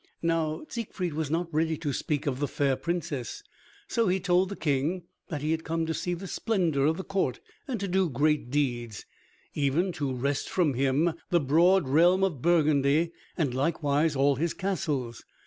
Now Siegfried was not ready to speak of the fair Princess, so he told the King that he had come to see the splendor of the court and to do great deeds, even to wrest from him the broad realm of Burgundy and likewise all his castles.